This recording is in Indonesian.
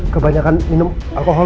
kebanyakan minum alkohol